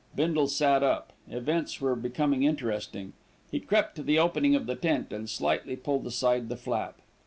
Bindle sat up. Events were becoming interesting. He crept to the opening of the tent and slightly pulled aside the flap.